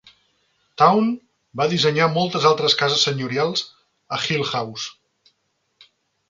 Town va dissenyar moltes altres cases senyorials a Hillhouse.